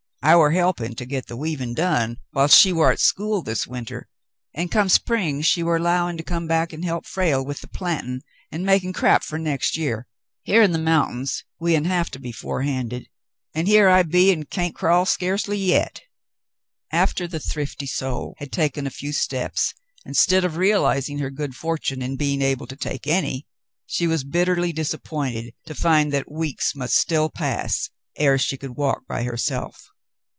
I war helpin* 106 The Mountain Girl to get the weavin' done whilst she war at school this winter, an' come spring she war 'lowin' to come back an' help Frale with the plantin' an' makin' crap fer next year. Here in the mountains we uns have to be forehanded, an' here I be an' can't crawl scarcely yet." After the thrifty soul had taken a few steps, instead of realizing her good fortune in being able to take any, she was bitterly disappointed to find that weeks must still pass ere she could walk by herself.